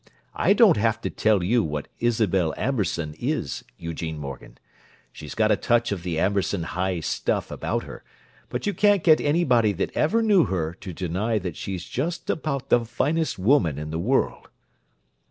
I don't have to tell you what Isabel Amberson is, Eugene Morgan. She's got a touch of the Amberson high stuff about her, but you can't get anybody that ever knew her to deny that she's just about the finest woman in the world."